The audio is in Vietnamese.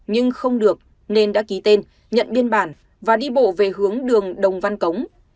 nhưng không được nên đã ký tên nhận biên bản và đi bộ về hướng đường đồng văn cống